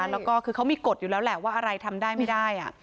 แล้วก็คือเขามีกฎอยู่แล้วแหละว่าอะไรทำได้ไม่ได้